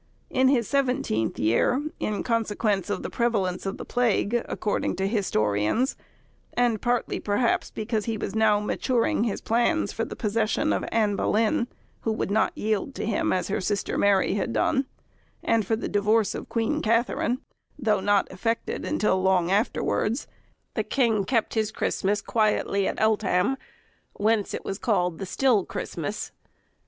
In his seventeenth year—in consequence of the prevalence of the plague according to historians, and partly perhaps because he was now maturing his plans for the possession of Ann Boleyn (who would not yield to him, as her sister Mary had done), and for the divorce of Queen Catherine, though not effected until long afterwards—the king kept his Christmas quietly at Eltham, whence it was called the still Christmas.